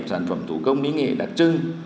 sản phẩm thủ công lý nghệ đặc trưng